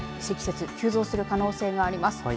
積雪急増する可能性があります。